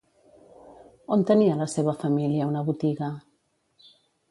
On tenia la seva família una botiga?